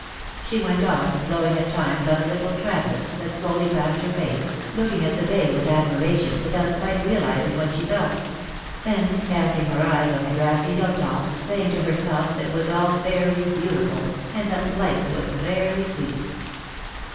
She went on, blowing at times on a little traveller" that slowly passed her face, looking at the bay with admiration with out quite realizing what she felt ; then, casting her eyes on the grassy hill tops, saying to herself, that it was all very beautiful, and that life was very sweet.